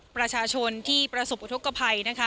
ประชาชนที่ประสบปฐกภัย